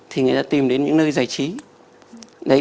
thì người ta tìm đến những nơi giải trí